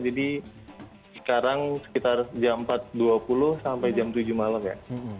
jadi sekarang sekitar jam empat dua puluh sampai jam tujuh malam ya